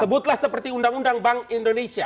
sebutlah seperti undang undang bank indonesia